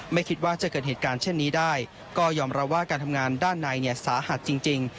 ไม่คิดว่าจะเกิดเหตุการณ์เช่นนี้ได้ก็ยอมรับว่าการทำงานด้านในเนี่ยสาหัสจริง